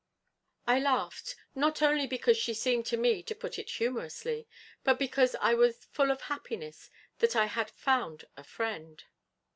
I laughed, not only because she seemed to me to put it humorously, but because I was full of happiness that I had found a friend.